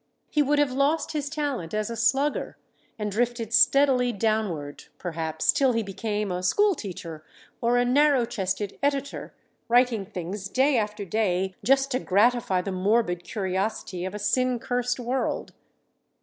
He would have lost his talent as a slugger, and drifted steadily downward, perhaps, till he became a school teacher or a narrow chested editor, writing things day after day just to gratify the morbid curiosity of a sin cursed world.